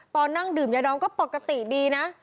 ตอนนั่งดื่มยาดองก็ปกติดีนะ